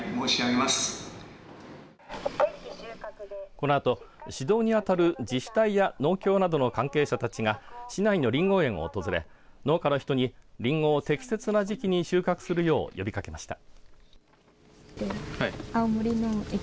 このあと指導に当たる自治体や農協などの関係者たちが市内のリンゴ園を訪れ農家の人にリンゴを適切な時期に収穫するよう呼びかけました。